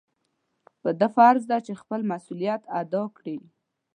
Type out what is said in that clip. په ده فرض دی چې خپل مسؤلیتونه ادا کړي.